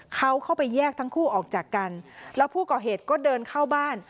เขาเข้าไปแยกทั้งคู่ออกจากกันแล้วผู้ก่อเหตุก็เดินเข้าบ้าน